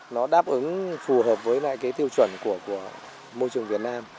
nó đáp ứng phù hợp với lại cái tiêu chuẩn của người việt nam